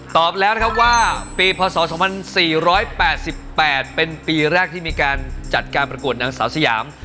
ตอบแล้วนะครับว่าปีพศ๒๔๘๘เป็นปีแรกที่มีการจัดการประกวดนางสาวสยาม